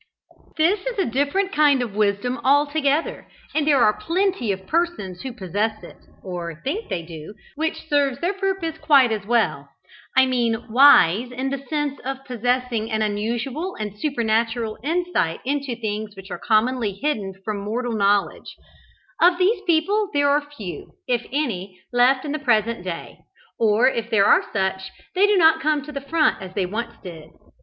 This is a different kind of wisdom altogether, and there are plenty of persons who possess it, or think they do, which serves their purpose quite as well. I mean "wise," in the sense of possessing an unusual and supernatural insight into things which are commonly hidden from mortal knowledge. Of these people there are few, if any, left in the present day; or if there are such, they do not come to the front as they once did.